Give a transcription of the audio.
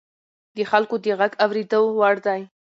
د خلکو غږ د اورېدو وړ دی